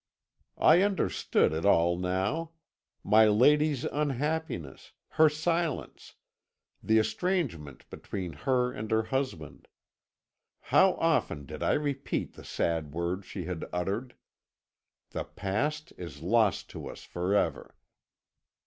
"I understood it all now my lady's unhappiness, her silence, the estrangement between her and her husband. How often did I repeat the sad words she had uttered! 'The past is lost to us forever.'